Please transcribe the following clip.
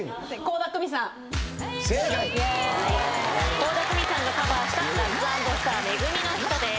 倖田來未さんがカバーしたラッツ＆スター『め組のひと』です。